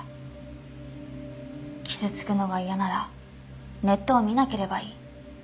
傷つくのが嫌ならネットを見なければいい。